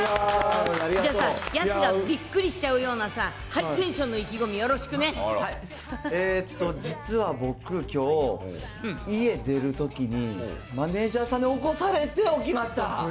じゃあさ、ヤスがびっくりしちゃうようなさ、ハイテンションの意気込み、よえーと、実は僕、きょう、家出るときに、マネージャーさんに起こされて起きました。